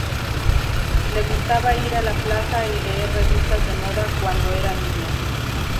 Le gustaba ir a la plaza y leer revistas de moda cuando era niña.